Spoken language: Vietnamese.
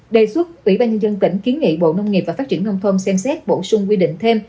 đề xuất ủy ban nhân dân tỉnh kiến nghị bộ nông nghiệp và phát triển nông thôn xem xét bổ sung quy định thêm